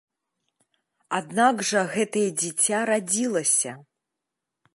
Аднак жа гэтае дзіця радзілася.